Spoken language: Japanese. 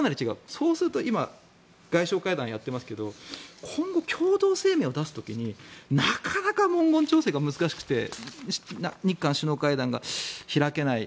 そうすると今、外相会談をやってますけど今後、共同声明を出す時になかなか文言調整が難しくて日韓首脳会談が開けない。